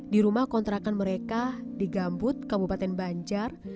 di rumah kontrakan mereka di gambut kabupaten banjar